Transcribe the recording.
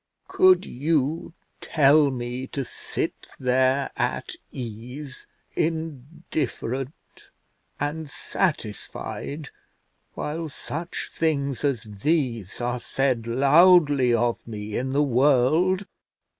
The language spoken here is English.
"Could you tell me to sit there at ease, indifferent, and satisfied, while such things as these are said loudly of me in the world?"